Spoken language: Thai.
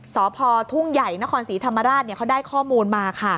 สพทุ่งใหญ่นครศรีธรรมราชเขาได้ข้อมูลมาค่ะ